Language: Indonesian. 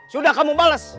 sudah kamu bales